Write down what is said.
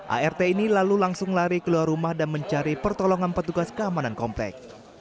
art ini lalu langsung lari keluar rumah dan mencari pertolongan petugas keamanan komplek